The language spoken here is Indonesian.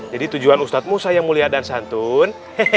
jadi tujuan ustadz musa yang mulia dan santun